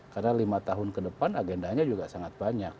karena lima tahun ke depan agendanya juga sangat banyak